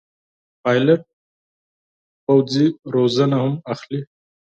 پیلوټ پوځي روزنه هم اخلي.